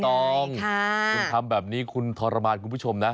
ลองคุณทำแบบนี้คุณทรมานคุณผู้ชมนะ